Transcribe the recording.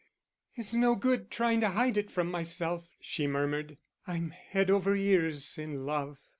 "It's no good trying to hide it from myself," she murmured, "I'm head over ears in love."